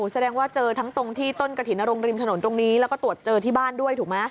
แสดงว่าเจอทั้งตรงที่ต้นกระถิ่นนรงริมถนนตรงนี้แล้วก็ตรวจเจอที่บ้านด้วยถูกไหม